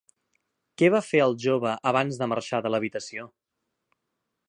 Què va fer el jove abans de marxar de l'habitació?